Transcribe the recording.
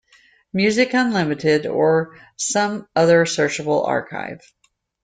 Music Unlimited, or some other searchable archive.